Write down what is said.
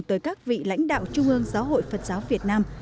tới các vị lãnh đạo trung ương giáo hội phật giáo việt nam